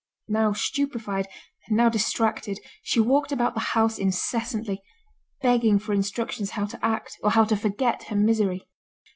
Now stupified, and now distracted, she walked about the house incessantly, begging for instructions how to act, or how to forget her misery.